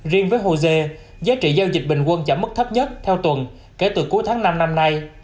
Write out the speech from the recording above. riêng với hồ dê giá trị giao dịch bình quân giảm mức thấp nhất theo tuần kể từ cuối tháng năm năm nay